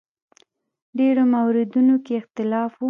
ډېرو موردونو کې اختلاف و.